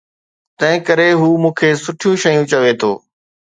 تنهن ڪري هو مون کي سٺيون شيون چوي ٿو